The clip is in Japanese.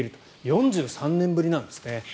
４３年ぶりなんですね。